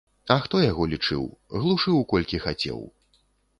А хто яго лічыў, глушыў колькі хацеў.